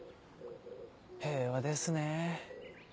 平和ですねぇ。